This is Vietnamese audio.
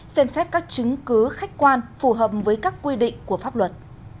xem xét các chứng cứ khách quan phù hợp với các quy định của pháp luật